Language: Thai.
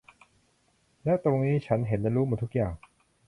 และตรงนี้ฉันเห็นและรู้หมดทุกอย่าง